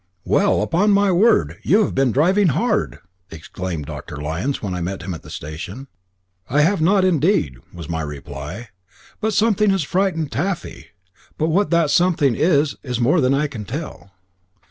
"Well, upon my word, you have been driving hard!" exclaimed Dr. Lyons, when I met him at the station. "I have not, indeed," was my reply; "but something has frightened Taffy, but what that something was, is more than I can tell."